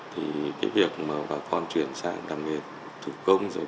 thì cái việc mà bà con chuyển sang làm nghề thực công